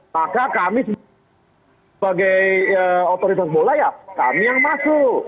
maka kami sebagai otoritas bola ya kami yang masuk